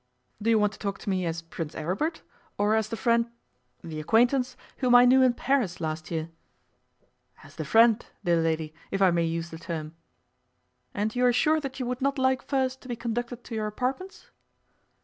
'Do you want to talk to me as Prince Aribert or as the friend the acquaintance whom I knew in Paris last year?' 'As the friend, dear lady, if I may use the term.' 'And you are sure that you would not like first to be conducted to your apartments?